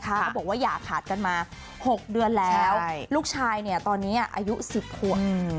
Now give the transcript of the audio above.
เขาบอกว่าอย่าขาดกันมา๖เดือนแล้วลูกชายเนี่ยตอนนี้อายุ๑๐ขวบ